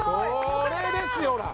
これですよほら。